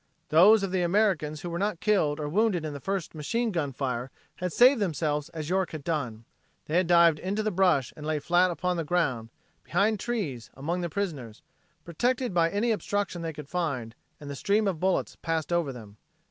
Those of the Americans who were not killed or wounded in the first machine gun fire had saved themselves as York had done. They had dived into the brush and lay flat upon the ground, behind trees, among the prisoners, protected by any obstruction they could find, and the stream of bullets passed over them.